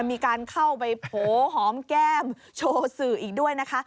มีการเข้าไปโผล่หอมแก้มโชว์สื่ออีกด้วยนะคะ